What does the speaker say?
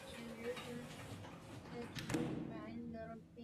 katika ile eneo ambalo inakaribia bahari laa